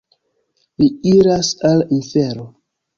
Li iras al infero.